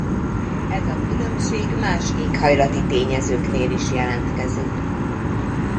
Ez a különbség más éghajlati tényezőknél is jelentkezik.